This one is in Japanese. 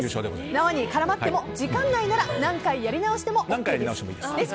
縄に絡まっても時間内なら何回やり直しても大丈夫です。